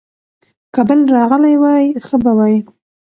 که بل راغلی وای، ښه به وای.